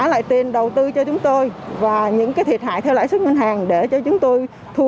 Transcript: lại tiền đầu tư cho chúng tôi và những cái thiệt hại theo lãi suất ngân hàng để cho chúng tôi thuộc